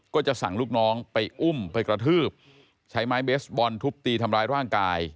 ก็จะสั่งลูกน้องไปอุ้มไปกระทืบใช้ไม้เบสบอลทุบตีทำร้ายร่างกาย